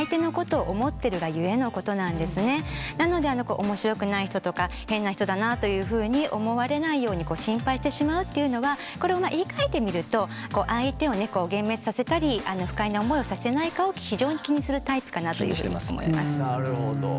なのでおもしろくない人とか変な人だなというふうに思われないように心配してしまうというのはこれを言いかえてみると相手を幻滅させたり不快な思いをさせないかを非常に気にするタイプかなというふうに思います。